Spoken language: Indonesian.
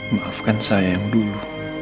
maafkan saya yang dulu